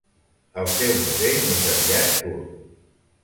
El seu musell més aviat curt.